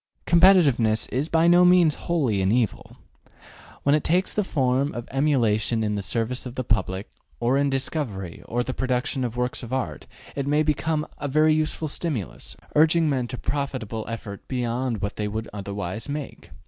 Competitiveness is by no means wholly an evil. When it takes the form of emulation in the service of the public, or in discovery or the production of works of art, it may become a very useful stimulus, urging men to profitable effort beyond what they would otherwise make.